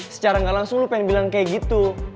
secara gak langsung lu pengen bilang kayak gitu